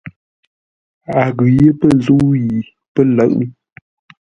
A ghʉ yé pə̂ zə̂u yi pə́ lə̌ʼ.